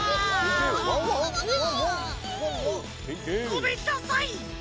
ごめんなさい。